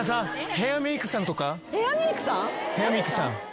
ヘアメイクさん？